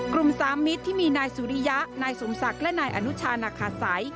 สามมิตรที่มีนายสุริยะนายสมศักดิ์และนายอนุชานาคาสัย